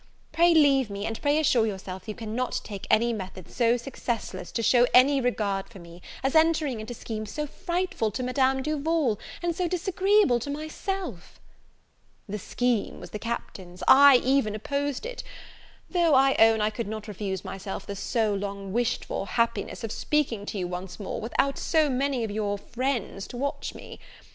Pray leave me; and pray assure yourself you cannot take any method so successless to show any regard for me, as entering into schemes so frightful to Madame Duval, and so disagreeable to myself." "The scheme was the Captain's: I even opposed it: though, I own, I could not refuse myself the so long wished for happiness of speaking to you once more, without so many of your friends to watch me.